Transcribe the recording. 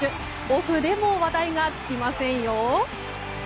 オフでも話題が尽きませんよ。